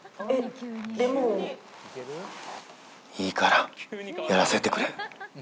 いいからやらせてくれ。